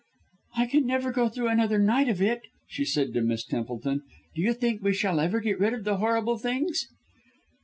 "I can never go through another night of it," she said to Miss Templeton. "Do you think we shall ever get rid of the horrible things?"